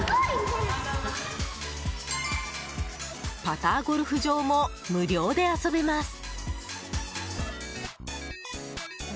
パターゴルフ場も無料で遊べます。